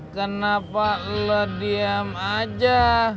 kenapa lu diam aja